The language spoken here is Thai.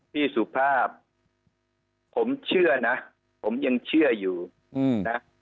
สุภาพผมเชื่อนะผมยังเชื่ออยู่นะ